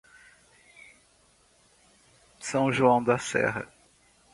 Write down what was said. São João da Serra